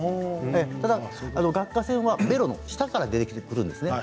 ただ顎下腺はベロの下から出てくるんです。